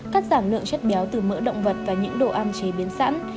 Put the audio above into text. cắt giảm lượng chất béo từ mỡ động vật và những đồ ăn chế biến sẵn